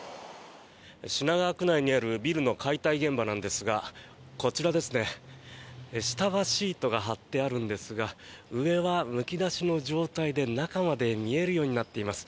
品川区内にあるビルの解体現場なんですがこちらですね、下はシートが張ってあるんですが上はむき出しの状態で中まで見えるようになっています。